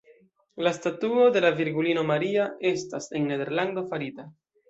La statuo de la virgulino Maria estas en Nederlando farita.